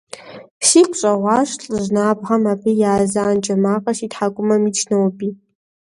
Сигу щӀэгъуащ лӀыжь набгъэм, абы и азэн джэ макъыр си тхьэкӀумэм итщ ноби…